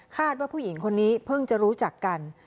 ว่าผู้หญิงคนนี้เพิ่งจะรู้จักกัน